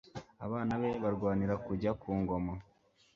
abana be barwanira kujya ku ngoma,